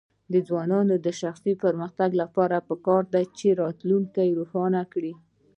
د ځوانانو د شخصي پرمختګ لپاره پکار ده چې راتلونکی روښانه کړي.